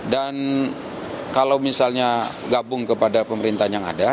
dan kalau misalnya gabung kepada pemerintahan yang ada